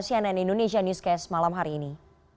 cnn indonesia newscast malam hari ini